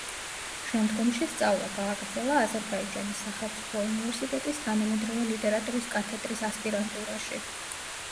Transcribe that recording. შემდგომში სწავლა გააგრძელა აზერბაიჯანის სახელმწიფო უნივერსიტეტის თანამედროვე ლიტერატურის კათედრის ასპირანტურაში.